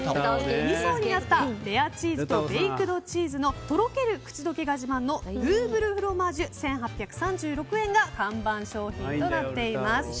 ２層になったレアチーズとベイクドチーズのとろける口溶けが自慢のドゥーブルフロマージュ１８３６円が看板商品となっています。